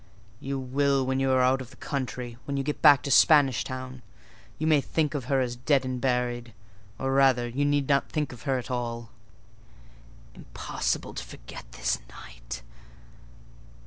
"You will when you are out of the country: when you get back to Spanish Town, you may think of her as dead and buried—or rather, you need not think of her at all." "Impossible to forget this night!"